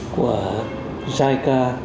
của giai ca